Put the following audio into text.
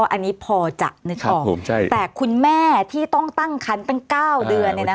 อันนี้พอจำนึกออกครับผมใช่แต่คุณแม่ที่ต้องตั้งคันตั้งเก้าเดือนเนี้ยนะคะ